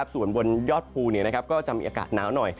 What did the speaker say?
ส่วนบนยอดภูก็จะมีอากาศหนาวหน่อย